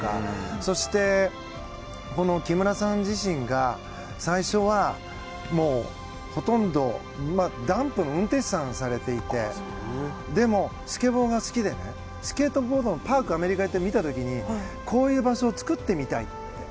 そして木村さん自身が最初はほとんどダンプの運転手さんをされていてでもスケボーが好きでスケートボードのパークアメリカに行って見た時にこういう場所を作ってみたい。